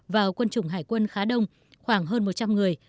vào quân chủng hải quân khá đông khoảng hơn một trăm linh người